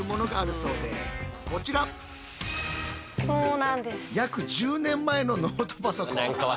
そうなんです。